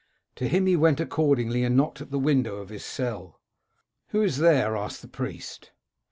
To him he went accordingly, and knocked at the window of his cell. "* Who is there ?' asked the priest.